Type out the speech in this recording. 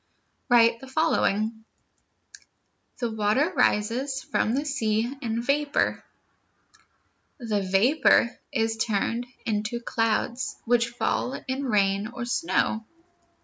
Write the following: The water rises from the sea in vapor. The vapor is turned into clouds, which fall in rain or snow.